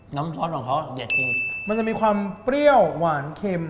น้ำช้อนของเขาเด็ดจริงมันจะมีความเปรี้ยวหวานเค็ม